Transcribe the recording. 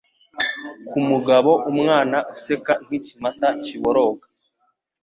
Ku mugabo umwana useka nk'ikimasa kiboroga